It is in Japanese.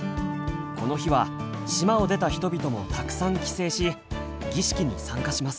この日は島を出た人々もたくさん帰省し儀式に参加します。